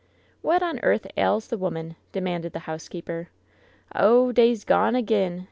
"What on earth ails the woman? demanded the housekeeper. "Oh! dey*s gone ag'in!